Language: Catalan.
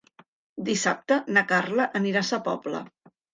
Dissabte na Carla anirà a Sa Pobla.